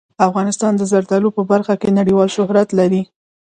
افغانستان د زردالو په برخه کې نړیوال شهرت لري.